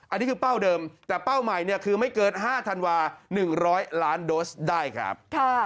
อันนี้คือเป้าเดิมแต่เป้าใหม่เนี่ยคือไม่เกิน๕ธันวา๑๐๐ล้านโดสได้ครับ